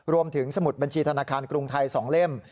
สมุดบัญชีธนาคารกรุงไทย๒เล่ม